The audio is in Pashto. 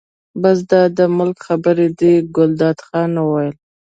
بس دا د ملک خبرې دي، ګلداد خان یې وویل.